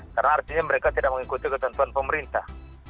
karena artinya mereka tidak mengikuti ketentuan pemerintah